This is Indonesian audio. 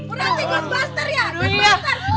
bu ranti ghostbuster ya